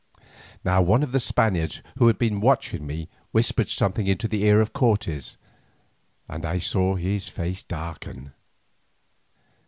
Now, one of the Spaniards who had been watching me whispered something into the ear of Cortes, and I saw his face darken.